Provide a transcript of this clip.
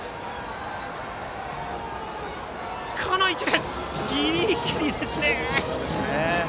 この位置、ギリギリですね。